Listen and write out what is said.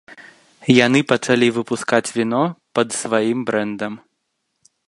Яны пачалі выпускаць віно пад сваім брэндам.